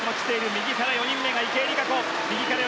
右から４人目が池江璃花子。